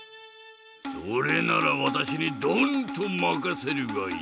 それならわたしにドンとまかせるがいい。